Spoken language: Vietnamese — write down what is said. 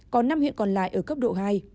có năm huyện còn lại ở cấp độ hai